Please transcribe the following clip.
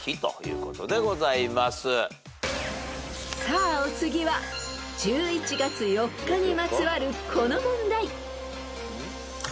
［さあお次は１１月４日にまつわるこの問題］